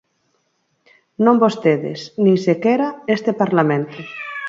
Non vostedes, nin sequera este Parlamento.